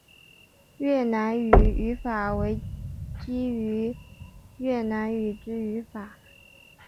越南语语法为基于越南语之语法。